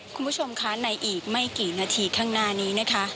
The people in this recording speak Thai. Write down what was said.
คุณผู้ชมคะในอีกไม่กี่นาทีข้างหน้านี้นะคะ